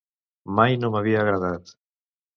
Mai no m'havia agradat.